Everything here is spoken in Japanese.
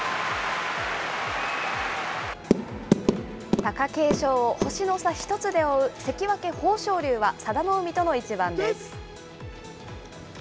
貴景勝を星の差１つで追う関脇・豊昇龍は、佐田の海との一番です。